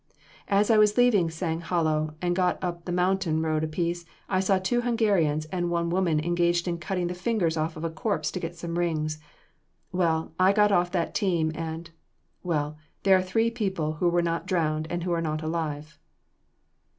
"As I was leaving Sang Hollow and got up the mountain road a piece, I saw two Hungarians and one woman engaged in cutting the fingers off of corpses to get some rings. Well, I got off that team and well, there are three people who were not drowned and who are not alive."